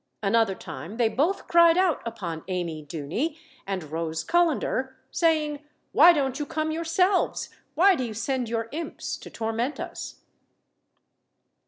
Another time they both cried out upon Amy Duny and Rose Cullender, saying, 'Why don't you come yourselves? Why do you send your imps to torment us?'"